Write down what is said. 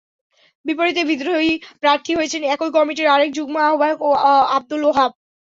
বিপরীতে বিদ্রোহী প্রার্থী হয়েছেন একই কমিটির আরেক যুগ্ম আহ্বায়ক আবদুল ওহাব।